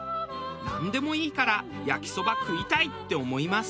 なんでもいいから焼きそば食いたいって思います。